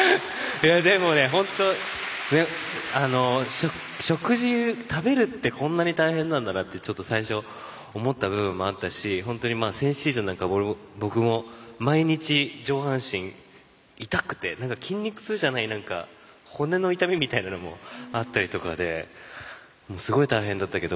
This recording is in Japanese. でも本当、食事、食べるってこんなに大変なんだなって最初、思った部分もあったし本当に先シーズンなんか僕も毎日上半身痛くて、筋肉痛じゃない骨の痛みみたいなのもあったりとかですごい大変だったけど。